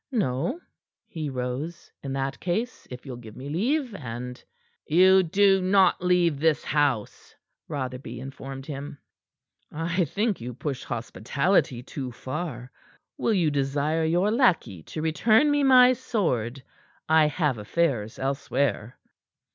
"No?" He rose. "In that case, if you'll give me leave, and " "You do not leave this house," Rotherby informed him. "I think you push hospitality too far. Will you desire your lackey to return me my sword? I have affairs elsewhere."